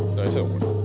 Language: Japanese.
これ。